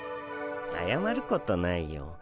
あやまることないよ。